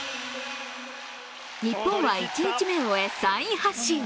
日本は１日目を終え、３位発進。